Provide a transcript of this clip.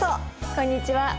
こんにちは。